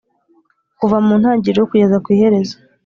kuva mu ntangiriro kugeza ku iherezo